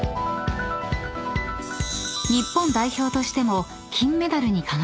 ［日本代表としても金メダルに輝く］